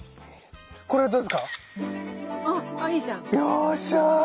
よっしゃ！